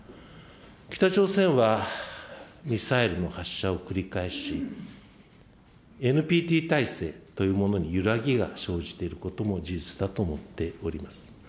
北朝鮮はミサイルの発射を繰り返し、ＮＰＴ体制というものに揺らぎが生じていることも事実だと思っております。